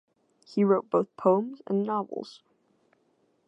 He wrote both poems and novels.